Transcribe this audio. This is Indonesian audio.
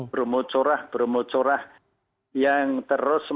bromocorah bromocorah yang terus